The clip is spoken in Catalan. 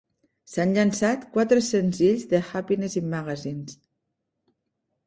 S'han llançat quatre senzills de "Happiness in Magazines".